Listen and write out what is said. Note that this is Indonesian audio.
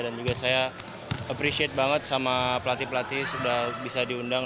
dan juga saya appreciate banget sama pelatih pelatih sudah bisa diundang